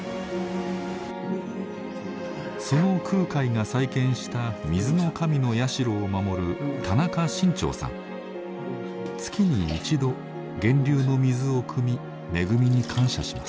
その空海が再建した水の神の社を守る月に一度源流の水をくみ恵みに感謝します。